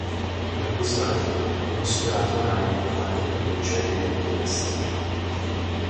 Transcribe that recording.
Per questa ragione, è considerato un'area importante per gli uccelli e la biodiversità.